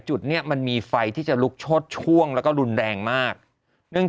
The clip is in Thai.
จุดนี้มันมีไฟที่จะลุกโชดช่วงแล้วก็รุนแรงมากเนื่องจาก